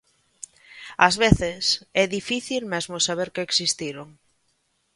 Ás veces é difícil mesmo saber que existiron.